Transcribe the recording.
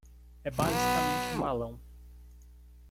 É basicamente um balão